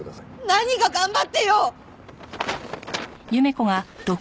何が「頑張って」よ！